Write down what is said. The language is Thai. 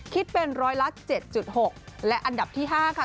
ในอันดับ๔คิดเป็น๑๐๗๖และอันดับที่๕ค่ะ